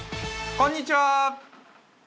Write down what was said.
こんにちは。